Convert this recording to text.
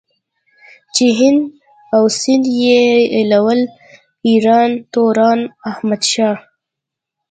چې هند او سندھ ئې ايلول ايران توران احمد شاه